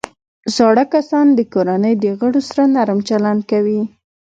زاړه کسان د کورنۍ د غړو سره نرم چلند کوي